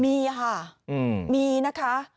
มีค่ะมีนะคะ